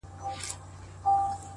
هره ورځ د ښه کېدو فرصت دی!